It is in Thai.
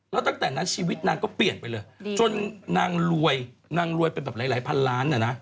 แล้วตั้งแต่นั้นชีวิตนางก็เปลี่ยนไปเลยจนนางรวยนางรวยเป็นแบบหลายพันล้านน่ะนะ